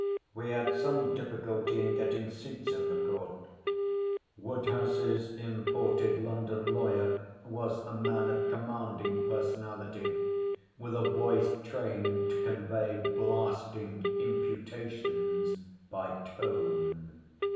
We had some difficulty in getting seats in the court. Woodhouse's imported London lawyer was a man of commanding personality, with a voice trained to convey blasting imputations by tone.